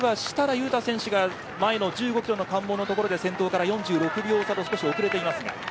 悠太選手が前の１５キロの関門で先頭から４６秒差と少し遅れています。